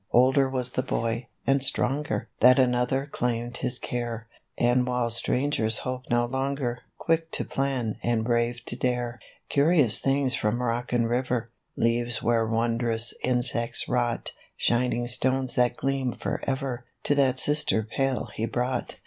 Older was the boy, and stronger, That another claimed his care; And while strangers hoped no longer, Quick to plan, and brave to dare; Curious things from rock and river, Leaves where wondrous insects wrought, Shining stones that gleam forever, To that sister pale he brought.